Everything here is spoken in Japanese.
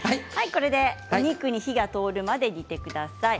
ここでお肉に火が通るまで煮てください。